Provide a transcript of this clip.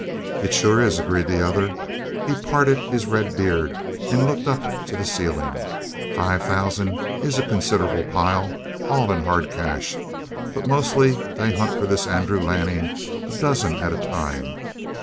"It sure is," agreed the other. He parted his red beard and looked up to the ceiling. "Five thousand is a considerable pile, all in hard cash. But mostly they hunt for this Andrew Lanning a dozen at a time.